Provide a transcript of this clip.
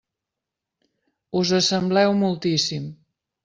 Us assembleu moltíssim.